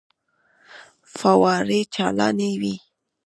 فوارې چالانې وې.